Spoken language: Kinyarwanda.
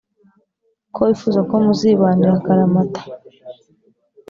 ko wifuza ko muzibanira akaramata,